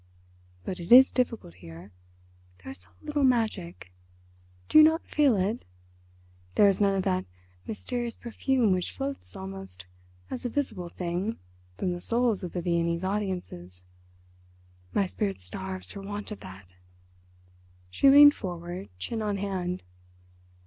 But it is difficult here. There is so little magic. Do you not feel it? There is none of that mysterious perfume which floats almost as a visible thing from the souls of the Viennese audiences. My spirit starves for want of that." She leaned forward, chin on hand.